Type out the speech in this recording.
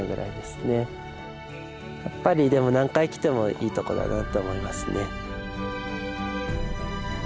やっぱりでも何回来てもいいところだなって思いますね。